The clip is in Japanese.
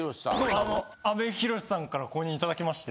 阿部寛さんから公認頂きまして。